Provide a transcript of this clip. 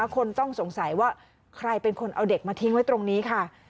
คนต้องสงสัยว่าใครเป็นคนเอาเด็กมาทิ้งไว้ตรงนี้ค่ะ